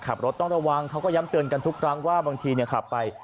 ขับรถต้องระวังเขาก็ย้ำเตือนกันทุกครั้งว่าบางทีขับไป